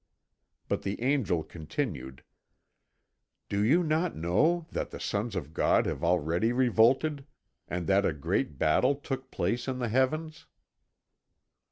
But the Angel continued: "Do you not know that the sons of God have already revolted and that a great battle took place in the heavens?"